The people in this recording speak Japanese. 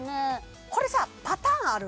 これさパターンある？